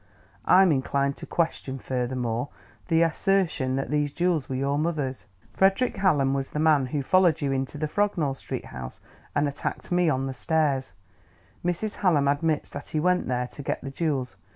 I'm inclined to question, furthermore, the assertion that these jewels were your mother's. Frederick Hallam was the man who followed you into the Frognall Street house and attacked me on the stairs; Mrs. Hallam admits that he went there to get the jewels.